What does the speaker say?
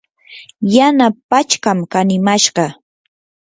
yana pachkam kanimashqa.